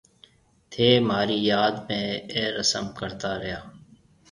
ٿَي مهارِي ياد ۾ اَي رسم ڪرتا رھيَََا۔